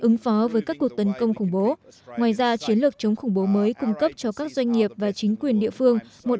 ngoài ra chiến lược chống khủng bố mới cung cấp cho các doanh nghiệp và chính quyền địa phương một